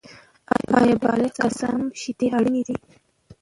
آیا بالغ کسان هم شیدې اړینې دي؟